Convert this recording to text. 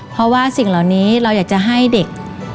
เพราะว่าสิ่งเหล่านี้เราอยากจะให้เด็ก